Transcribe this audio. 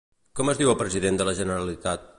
Com es diu el president de la Generalitat?